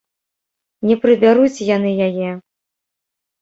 Не прыбяруць яны яе!